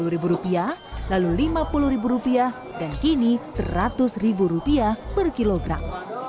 tiga puluh ribu rupiah lalu lima puluh ribu rupiah dan kini seratus ribu rupiah per kilogram